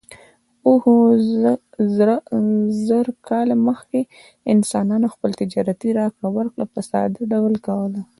اووه زره کاله مخکې انسانانو خپل تجارتي راکړه ورکړه په ساده ډول کوله.